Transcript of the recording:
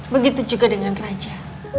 begitu juga dengan raja